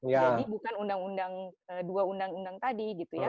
jadi bukan undang undang dua undang undang tadi gitu ya